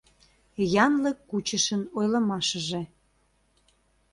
ЯНЛЫК КУЧЫШЫН ОЙЛЫМАШЫЖЕ